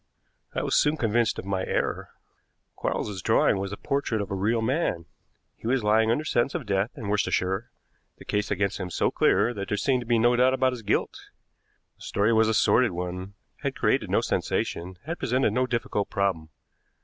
I was soon convinced of my error. Quarles's drawing was the portrait of a real man. He was lying under sentence of death in Worcestershire, the case against him so clear that there seemed to be no doubt about his guilt. The story was a sordid one, had created no sensation, had presented no difficult problem.